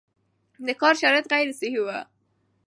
د کار شرایط غیر صحي وو